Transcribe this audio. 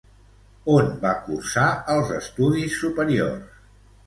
On va cursar els estudis superiors?